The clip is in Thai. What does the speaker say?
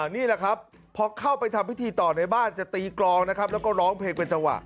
นี่แหละครับพอเข้าไปทำพิธีต่อในบ้านจะตีกรองนะครับแล้วก็ร้องเพลงเป็นจังหวะ